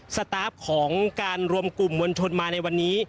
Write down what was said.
สตาร์ฟของการรวมกลุ่มมวลชนมาในวันนี้